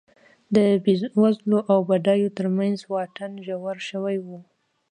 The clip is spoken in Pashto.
د بېوزلو او بډایو ترمنځ واټن ژور شوی و